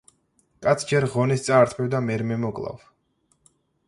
კაცს ჯერ ღონეს წაართმევ და მერმე მოკლავ